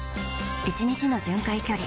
１日の巡回距離